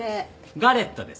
ガレットです。